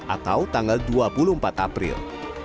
atau tanggal dua puluh empat april